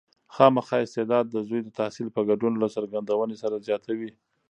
خامخا استعداد د زوی د تحصیل په ګډون له څرګندونې سره زیاتوي.